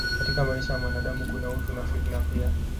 Katika maisha ya mwanadamu kuna utu na fitna pia